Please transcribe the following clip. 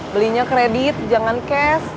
belinya kredit jangan cash